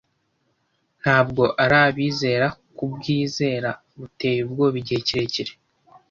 Ntabwo ari abizera kubwizera buteye ubwoba igihe kirekire,